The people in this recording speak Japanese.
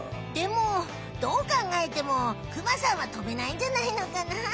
でもどうかんがえてもクマさんはとべないんじゃないのかな？